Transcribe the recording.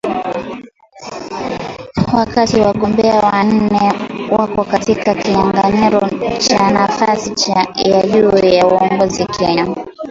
Wakati wagombea wanne wako katika kinyang’anyiro cha nafasi ya juu ya uongozi Kenya